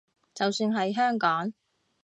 就算係香港